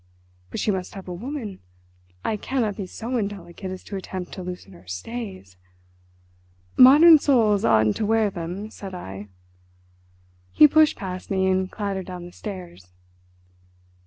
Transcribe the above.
"But she must have a woman. I cannot be so indelicate as to attempt to loosen her stays." "Modern souls oughtn't to wear them," said I. He pushed past me and clattered down the stairs.